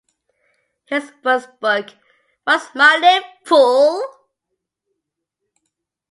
His first book, What's My Name, Fool?